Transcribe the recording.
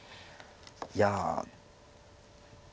いや。